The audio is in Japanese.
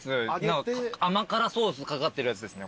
甘辛ソースかかってるやつですね